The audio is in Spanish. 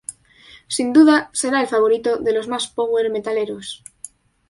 Sin duda será el favorito de los más power metaleros.